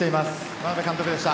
眞鍋監督でした。